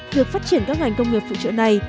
việc phát triển các ngành công nghiệp phụ trợ này